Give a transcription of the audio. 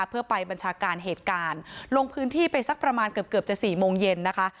เพื่อไปบัญชาการเหตุการณ์ลงพื้นที่ไปสักประมาณเกือบเกือบจะ๔โมงเย็นนะคะ